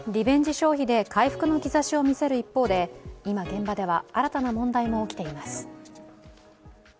消費で回復の兆しを見せる一方で、今、現場では新たな問題も起きています。